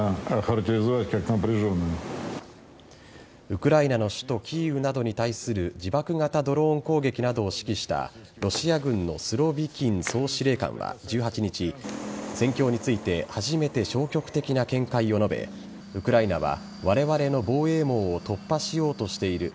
ウクライナの首都・キーウなどに対する自爆型ドローン攻撃などを指揮したロシア軍のスロビキン総司令官は１８日戦況について初めて消極的な見解を述べウクライナはわれわれの防衛網を突破しようとしている。